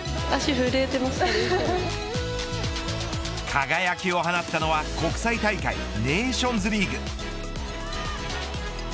輝きを放ったのは国際大会ネーションズリーグ。